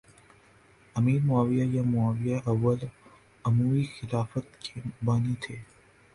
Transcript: امیر معاویہ یا معاویہ اول اموی خلافت کے بانی تھے